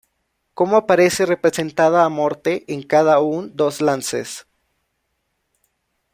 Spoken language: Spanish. Como aparece representada a morte en cada un dos lances?